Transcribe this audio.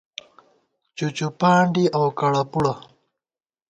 چُوچُوپانڈی اؤ کڑہ پُڑہ